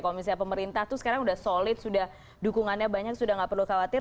kalau misalnya pemerintah itu sekarang sudah solid sudah dukungannya banyak sudah nggak perlu khawatir